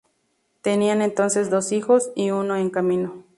Tenían entonces dos hijos y uno en camino.